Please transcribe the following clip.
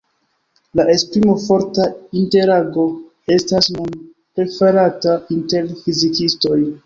La esprimo "forta interago" estas nun preferata inter fizikistoj.